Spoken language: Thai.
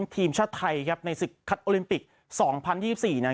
ทีมชาติไทยครับในสิกคัดโอลิมปิกสองพันยี่สิบสี่นึง